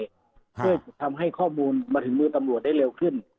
เพื่อทำให้ข้อมูลมาถึงมือตำรวจได้เร็วขึ้น